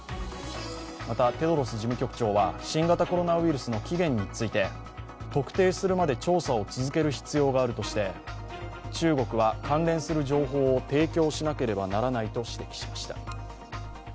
またテドロス事務局長は新型コロナウイルスの起源について特定するまで調査を続ける必要があるとして、中国は関連する情報を提供しなければならないと指摘しました。